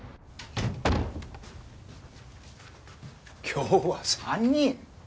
今日は３人？